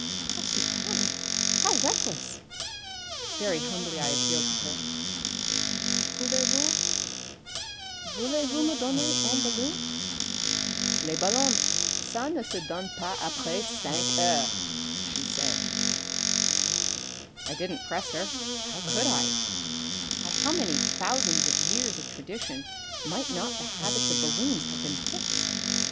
How superb, how reckless! Very humbly I appealed to her, "Pouvez vous, voulez vous me donner un ballon?" "Les ballons, ca ne se donne pas apres cinq heures," she said. I didn't press her. How could I? By how many thousands of years of tradition might not the habits of balloons have been fixed?